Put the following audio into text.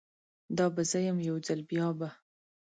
دا به زه یم، یوځل بیابه